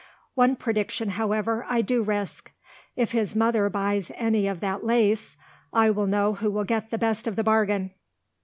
One prediction, however, I do risk. If his mother buys any of that lace I know who will get the best of the bargain!"